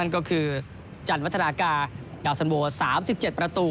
ก็คือจันทร์วัฒนากายาวสันโวสามสิบเจ็ดประตู